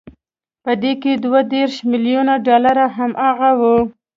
په دې کې دوه دېرش ميليونه ډالر هماغه وو